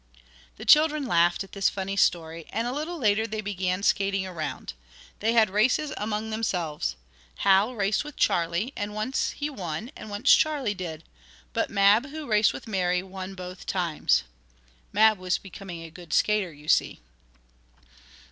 The children laughed at this funny story, and a little later they began skating around. They had races among themselves. Hal raced with Charlie, and once he won, and once Charlie did. But Mab, who raced with Mary, won both times. Mab was becoming a good skater, you see.